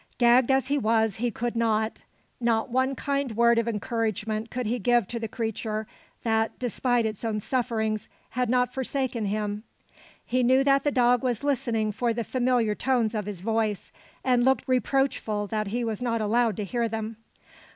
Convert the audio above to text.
Gagged as he was, he could not. Not one kind word of encouragement could he give to the creature that, despite its own sufferings, had not forsaken him. He knew that the dog was listening for the familiar tones of his voice, and looked reproachful that he was not allowed to hear them.